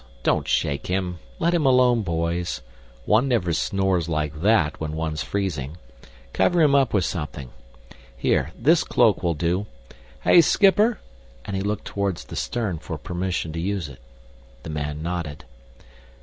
Don't shake him! Let him alone, boys. One never snores like that when one's freezing. Cover him up with something. Here, this cloak will do. Hey, schipper?" and he looked toward the stern for permission to use it. The man nodded.